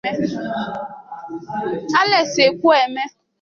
Alex Ekwueme